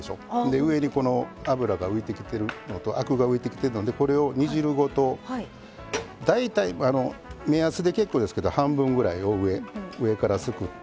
上にこの脂が浮いてきてるのとアクが浮いてきてるのでこれを煮汁ごと大体目安で結構ですけど半分ぐらいを上からすくって。